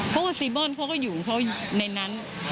เพราะว่าซีม่อนเขาก็อยู่ในนั้น